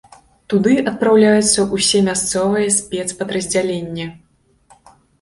Туды адпраўляюцца ўсе мясцовыя спецпадраздзялення.